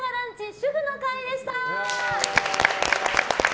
主婦の会でした。